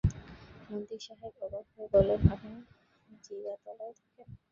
মন্ত্রিক সাহেব অবাক হয়ে বললেন, আপনি জিগাতলায় থাকেন?